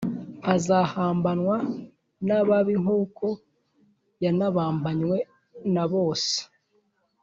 azahambanwa n ababi nkuko yanabambanywe na bose